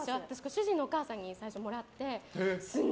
主人のお母さんに初めもらって。